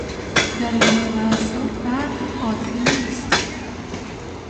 در این موقع از سال برف عادی نیست.